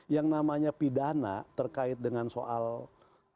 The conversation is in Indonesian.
yang namanya pidana terkait dengan soal